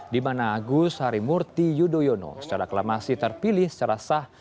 di mana agus harimurti yudhoyono secara aklamasi terpilih secara sah